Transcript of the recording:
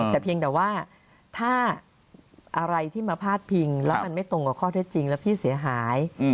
แต่เพียงแต่ว่าถ้าอะไรที่มาพาดพิงแล้วมันไม่ตรงกับข้อเท็จจริงแล้วพี่เสียหาย